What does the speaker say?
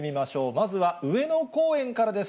まずは上野公園からです。